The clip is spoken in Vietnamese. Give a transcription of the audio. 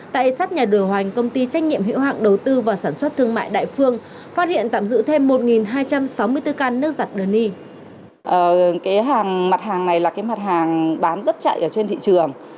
tại sát nhà đồ hoành công ty trách nhiệm hữu hạng đầu tư và sản xuất thương mại đại phương